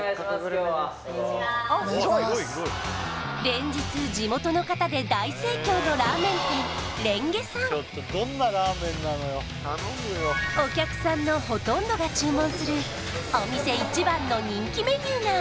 連日地元の方で大盛況のラーメン店れんげさんお客さんのほとんどが注文するお店一番の人気メニューが